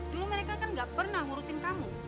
dulu mereka kan gak pernah ngurusin kamu